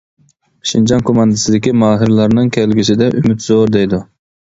شىنجاڭ كوماندىسىدىكى ماھىرلارنىڭ كەلگۈسىدە ئۈمىد زور، دەيدۇ.